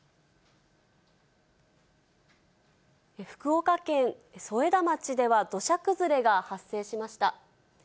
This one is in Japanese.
福岡県添田町では、土砂崩れが発生しました。